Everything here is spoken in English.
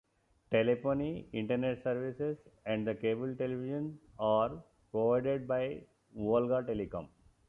Telephony, Internet service, and cable television are provided by VolgaTelecom.